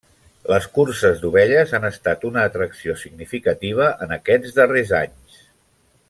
Les curses d'ovelles han estat una atracció significativa en aquests darrers anys.